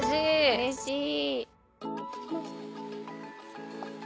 うれしーい。